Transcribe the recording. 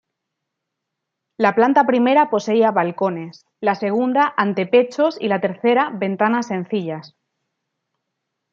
La planta primera poseía balcones, la segunda, antepechos y la tercera, ventanas sencillas.